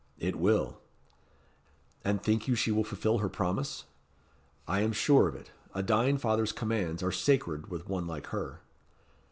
"It will." "And think you she will fulfil her promise?" "I am sure of it. A dying father's commands are sacred with one like her."